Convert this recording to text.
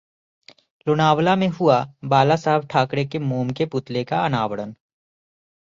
लोनावला में हुआ बालासाहब ठाकरे के मोम के पुतले का अनावरण